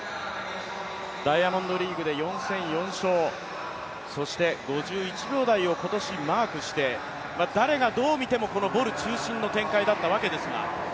ダイヤモンドリーグで４戦４勝、そして５１秒台を今年マークして誰がどう見ても、このボル中心の展開だったわけですが。